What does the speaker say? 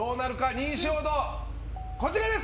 認証度こちらです。